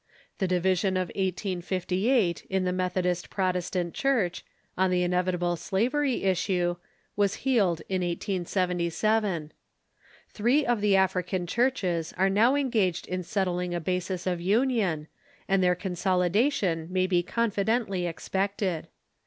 The division of 1858 in the Methodist Protestant Church, on the inevitable slavery issue, was healed in 1877. Three of the African Churches are now enffafifed in settling a basis of union, and their consolidation may be confidently expected.